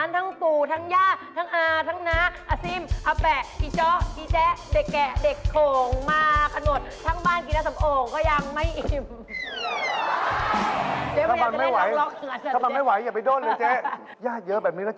ซะตอนนี้กี่ขวบล่ะ